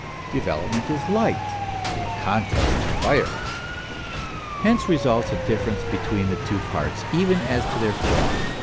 Development is light, contest fire. Hence results a difference between the two parts even as to their form.